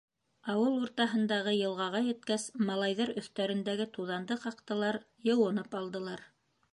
Ауыл уртаһындағы йылғаға еткәс, малайҙар өҫтәрендәге туҙанды ҡаҡтылар, йыуынып алдылар.